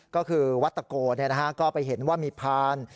ก็คือวัตโกก็ไปเห็นว่ามีพาน